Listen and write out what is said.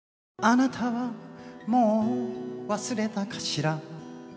「貴方はもう忘れたかしら」